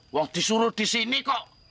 wah disuruh di sini kok